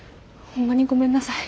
ほんまにごめんなさい。